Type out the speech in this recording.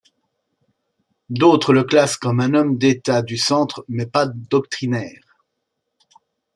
D'autre le classent comme un homme d'État du centre mais pas doctrinaire.